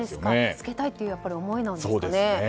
助けたいという思いなんですかね。